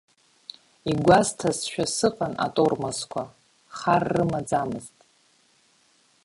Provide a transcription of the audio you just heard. Игәасҭазшәа сыҟан атормозқәа, хар рымаӡамызт.